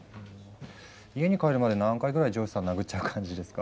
家に帰るまで何回ぐらい上司さん殴っちゃう感じですか？